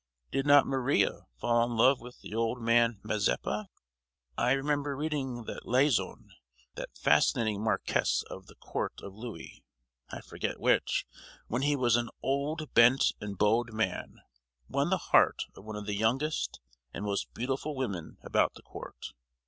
Did not Maria fall in love with the old man Mazeppa? I remember reading that Lauzun, that fascinating marquis of the court of Louis (I forget which), when he was an old, bent and bowed man, won the heart of one of the youngest and most beautiful women about the court.